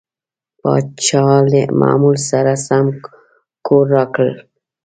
پاچا له معمول سره سم کور راکړ.